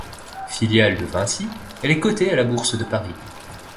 Filiale de Vinci, elle est cotée à la Bourse de Paris.